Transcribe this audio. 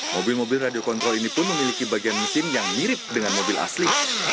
mobil mobil radio kontrol ini pun memiliki bagian mesin yang mirip dengan mobil asli